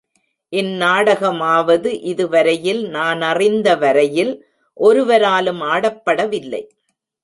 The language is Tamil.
இந் நாடகமாவது இதுவரையில் நானறிந்த வரையில் ஒருவராலும் ஆடப்படவில்லை.